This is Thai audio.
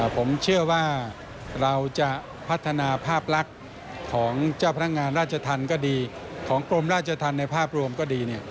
ผมเชื่อว่าเราจะพัฒนาภาพลักษณ์ของเจ้าพนักงานราชธรรมก็ดีของกรมราชธรรมในภาพรวมก็ดี